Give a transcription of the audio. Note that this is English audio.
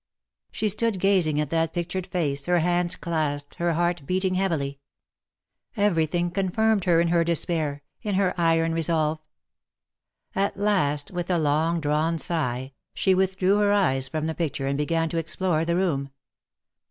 She stood gazing at that pictured face, her hands clasped, her heart beating heavily. Everything confirmed her in her despair — in her iron resolve. At last, with a long drawn sigh, she withdrew her eyes from the picture, and began to explore the room.